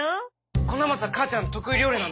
こなますは母ちゃんの得意料理なの。